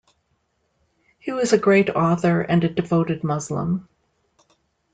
He was a great author and a devoted Muslim.